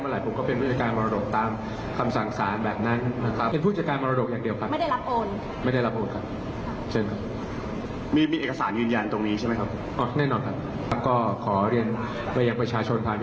และวันนี้ก็มีอีกประเด็นหนึ่งนะครับ